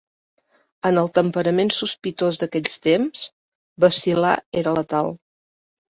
En el temperament sospitós d'aquells temps, vacil·lar era letal.